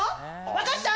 分かった？